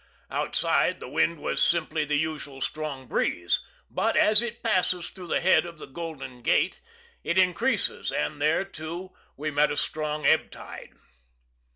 Outside the wind was simply the usual strong breeze; but, as it passes through the head of the Golden Gate, it increases, and there, too, we met a strong ebb tide.